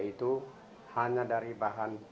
itu hanya dari bahan